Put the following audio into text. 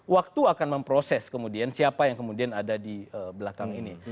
waktu akan memproses kemudian siapa yang kemudian ada di belakang ini